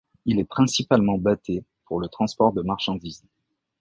Il est principalement bâté pour le transport de marchandises.